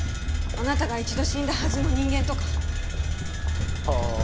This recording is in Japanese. あなたが一度死んだはずの人間とかほう